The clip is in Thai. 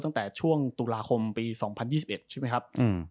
ตั้งแต่ช่วงตุลาคมปี๒๐๒๑ใช่ไหมครับ